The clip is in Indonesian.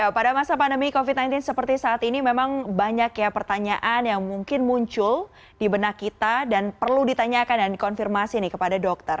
pada masa pandemi covid sembilan belas seperti saat ini memang banyak ya pertanyaan yang mungkin muncul di benak kita dan perlu ditanyakan dan dikonfirmasi nih kepada dokter